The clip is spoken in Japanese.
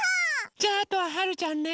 じゃああとははるちゃんね。